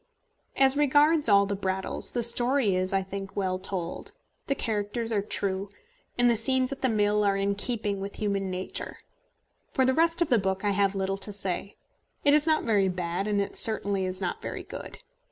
As regards all the Brattles, the story is, I think, well told. The characters are true, and the scenes at the mill are in keeping with human nature. For the rest of the book I have little to say. It is not very bad, and it certainly is not very good.